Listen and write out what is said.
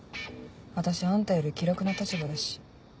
私あんたより気楽な立場だし。